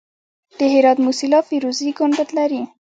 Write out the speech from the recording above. د هرات موسیلا فیروزي ګنبد لري